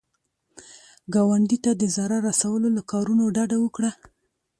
ګاونډي ته د ضرر رسولو له کارونو ډډه وکړه